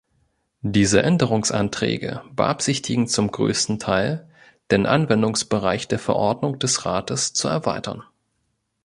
Diese Änderungsanträge beabsichtigten zum größten Teil, den Anwendungsbereich der Verordnung des Rates zu erweitern.